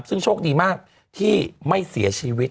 ซึ่งโชคดีมากที่ไม่เสียชีวิต